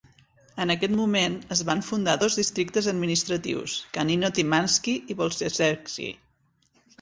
En aquest moment, es van fundar dos districtes administratius, Canino-Timansky i Bolshezemelsky.